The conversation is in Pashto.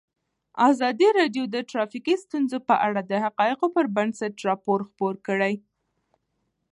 ازادي راډیو د ټرافیکي ستونزې په اړه د حقایقو پر بنسټ راپور خپور کړی.